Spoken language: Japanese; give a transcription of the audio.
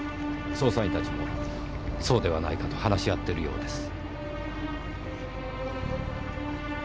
捜査員たちもそうではないかと話し合っているようです。